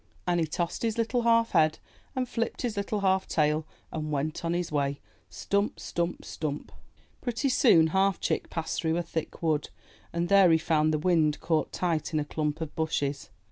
And he tossed his little half head and flipped his little half tail and went on his way — stump ! stump ! stump ! Pretty soon Half Chick passed through a thick wood, and there he found the Wind caught tight in a clump of bushes.